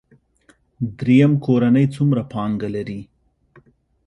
دریم کورنۍ څومره پانګه لري.